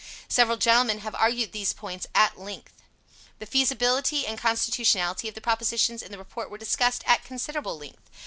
Several gentlemen have argued theses points at length. The feasibility and constitutionality of the propositions in the report were discussed at considerable length.